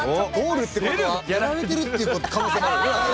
ゴールってことはやられてるっていう可能性もあるよね。